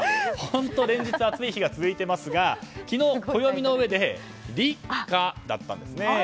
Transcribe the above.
本当、連日暑い日が続いていますが昨日、暦の上で立夏だったんですね。